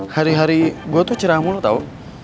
hari hari gue tuh cerah mulu tau